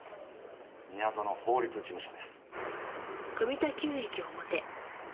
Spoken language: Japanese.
宮園法律事務所です。